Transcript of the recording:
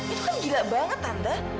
itu kan gila banget anda